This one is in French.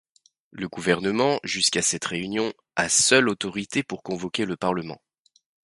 Le gouvernement, jusqu'à cette réunion, a seul autorité pour convoquer le Parlement.